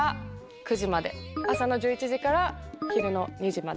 朝の１１時から昼の２時まで。